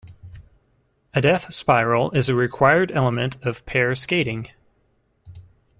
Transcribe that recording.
A death spiral is a required element of pair skating.